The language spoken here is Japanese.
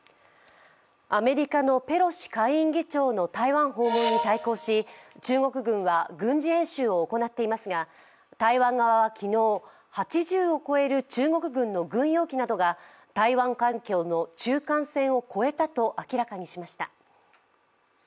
アメリカのペロシ下院議長の台湾訪問に対抗し中国軍は軍事演習を行っていますが台湾側は昨日、８０を超える中国軍の軍用機などが台湾海峡の中間線を越えたと明らかにしました。